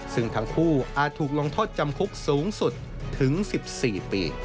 ซึ่งทั้งคู่อาจถูกลงโทษจำคุกสูงสุดถึง๑๔ปี